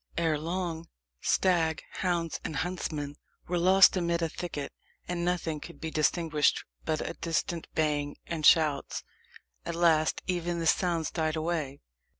Ere long, stag, hounds, and huntsmen were lost amid a thicket, and nothing could be distinguished but a distant baying and shouts. At last even these sounds died away.